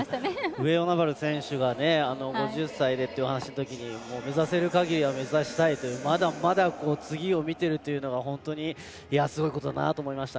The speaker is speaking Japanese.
上与那原選手が５０歳でっていうお話で目指せる限りは目指したいというまだまだ次を見ているというのが本当にすごいことだなと思いました。